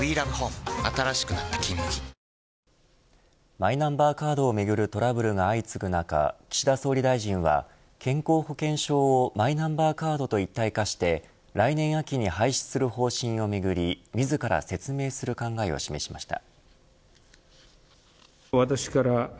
マイナンバーカードをめぐるトラブルが相次ぐ中岸田総理大臣は、健康保険証をマイナンバーカードと一体化して来年秋に廃止する方針をめぐり自ら説明する考えを示しました。